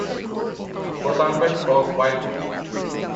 Bosanquet of Wildwood.